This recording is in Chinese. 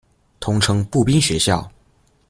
通称步兵学校。